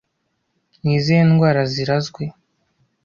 Ni izihe ndwara zirazwe